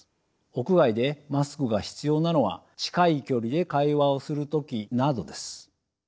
屋外でマスクが必要なのは近い距離で会話をする時などです。